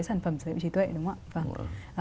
sản phẩm sở hữu trí tuệ đúng không ạ